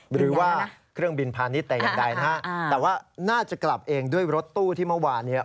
หรือว่าเครื่องบินพาณิชย์แต่อย่างใดนะฮะแต่ว่าน่าจะกลับเองด้วยรถตู้ที่เมื่อวานเนี่ย